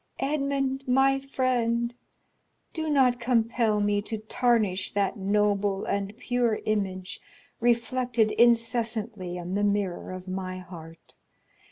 Edmond, my friend, do not compel me to tarnish that noble and pure image reflected incessantly on the mirror of my heart.